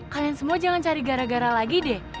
kalian semua jangan cari gara gara lagi deh